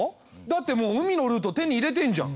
だってもう海のルート手に入れてんじゃん。